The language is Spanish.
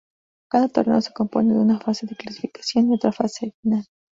Cada torneo se compone de una fase de clasificación y otra fase final.